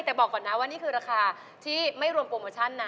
แต่บอกก่อนนะว่านี่คือราคาที่ไม่รวมโปรโมชั่นนะ